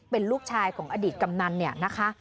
เป็นลูกชายของอดีตกำนันเนี่ยนะคะ